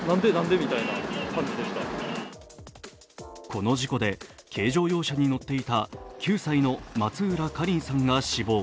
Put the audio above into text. この事故で、軽乗用車に乗っていた９歳の松浦華梨さんが死亡。